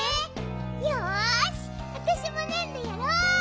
よしわたしもねんどやろうっと。